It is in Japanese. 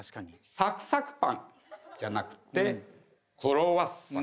「サクサクパン」じゃなくて「クロワッさん」。